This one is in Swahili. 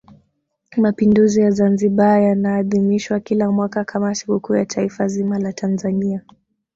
mapinduzi ya Zanzibar yanaadhimishwa kila mwaka kama sikukuu ya taifa zima la Tanzania